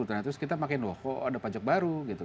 terus kita makin wah kok ada pajak baru gitu